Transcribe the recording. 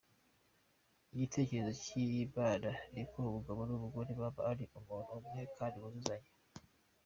Icyerekezo cy’Imana ni uko umugabo n’umugore baba ari umuntu umwe kandi buzuzanya.